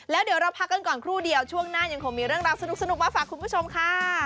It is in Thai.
แล้วเดี๋ยวเราพักกันก่อนครู่เดียวช่วงหน้ายังคงมีเรื่องราวสนุกมาฝากคุณผู้ชมค่ะ